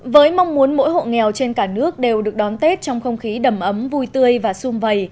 với mong muốn mỗi hộ nghèo trên cả nước đều được đón tết trong không khí đầm ấm vui tươi và sung vầy